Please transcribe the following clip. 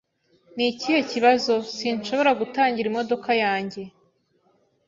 "Ni ikihe kibazo?" "Sinshobora gutangira imodoka yanjye."